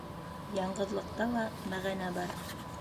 Яңғыҙлыҡта ла мәғәнә бар.